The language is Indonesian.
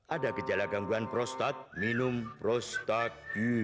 ada gejala gangguan prostat minum prostat